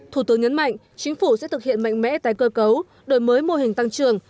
thủ tướng nhấn mạnh chính phủ sẽ thực hiện mạnh mẽ tái cơ cấu đổi mới mô hình tăng trường